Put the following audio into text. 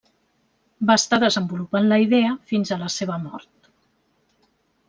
Va estar desenvolupant la idea fins a la seva mort.